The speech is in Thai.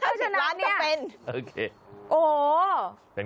ถ้าจำเป็น๑๐ล้านจำเป็นโอ้โห